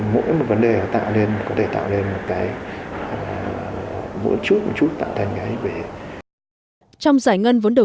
mỗi một vấn đề nó tạo nên có thể tạo nên một cái một chút một chút tạo thành cái